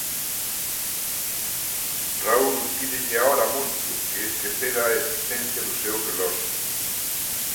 Raúl pídelle a hora a Moncho, que esquecera a existencia do seu reloxo: